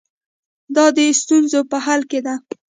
دا د ستونزو په حل کې ده.